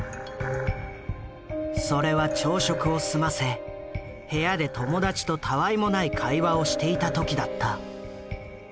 それは朝食を済ませ部屋で友達とたわいもない会話をしていた時だった。